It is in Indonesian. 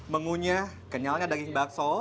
mengunya kenyalnya daging bakso